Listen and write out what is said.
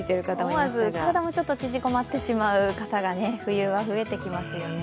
思わず体もちょっと縮こまってしまう方が冬は増えてきますよね。